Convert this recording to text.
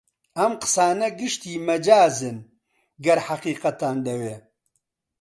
ئەم قسانە گشتی مەجازن گەر حەقیقەتتان دەوێ